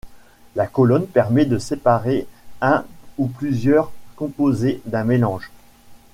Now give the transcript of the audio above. La colonne permet de séparer un ou plusieurs composés d'un mélange.